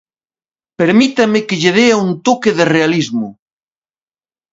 Permítame que lle dea un toque de realismo.